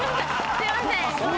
すいません。